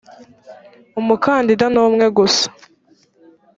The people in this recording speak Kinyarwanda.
umukandida ni umwe gusa.